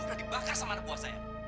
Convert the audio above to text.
sudah dibakar sama nebua saya